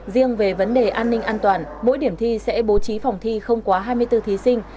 riêng về vấn đề an ninh an toàn mỗi điểm thi sẽ bố trí phòng thi không quá hai mươi bốn thí sinh